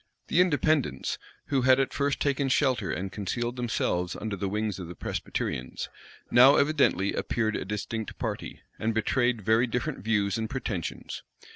The Independents, who had at first taken shelter and concealed themselves under the wings of the Presbyterians, now evidently appeared a distinct party, and betrayed very different views and pretensions.